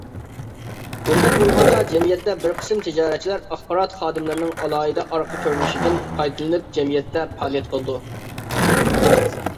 بۇنداق بولغاندا جەمئىيەتتە بىر قىسىم تىجارەتچىلەر ئاخبارات خادىملىرىنىڭ ئالاھىدە ئارقا كۆرۈنۈشىدىن پايدىلىنىپ جەمئىيەتتە پائالىيەت قىلىدۇ.